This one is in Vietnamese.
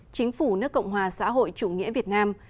chính phủ nước cộng hòa xã hội chủ nghĩa việt nam